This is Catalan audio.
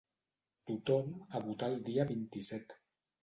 Tothom a votar el dia vint-i-set.